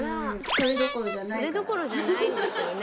それどころじゃないんですよね。